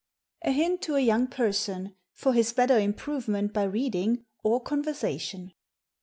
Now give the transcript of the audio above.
"_A Hint to a Young Person, for his better Improvement by Reading or Conversation.